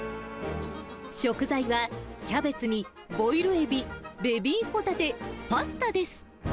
食材はキャベツにボイルエビ、ベビーホタテ、パスタです。